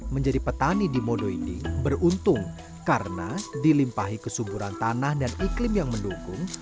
menjadi petani di modo ini beruntung karena dilimpahi kesuburan tanah dan iklim yang mendukung